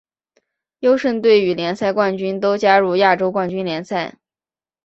优胜队与联赛冠军都加入亚洲冠军联赛。